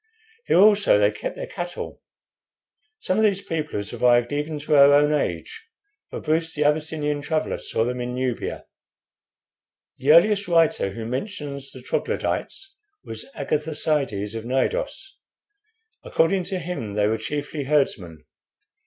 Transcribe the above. Here also they kept their cattle. Some of these people have survived even to our own age; for Bruce, the Abyssinian traveller, saw them in Nubia. "The earliest writer who mentions the Troglodytes was Agatharcides, of Cnidos. According to him they were chiefly herdsmen.